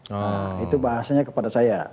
nah itu bahasanya kepada saya